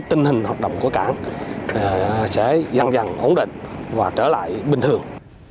tình hình hoạt động của cảng sẽ dần dần ổn định và trở lại bình thường